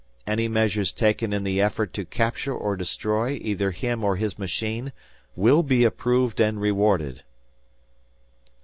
Any measures taken in the effort to capture or destroy either him or his machine will be approved and rewarded."